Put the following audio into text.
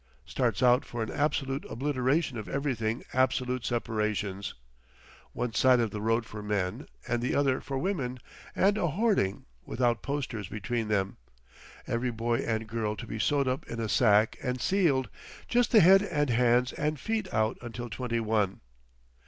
Starts out for an absolute obliteration of everything absolute separations. One side of the road for men, and the other for women, and a hoarding—without posters between them. Every boy and girl to be sewed up in a sack and sealed, just the head and hands and feet out until twenty one.